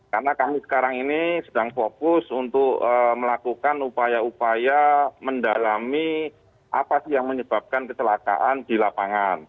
karena kami sekarang ini sedang fokus untuk melakukan upaya upaya mendalami apa sih yang menyebabkan keselakaan di lapangan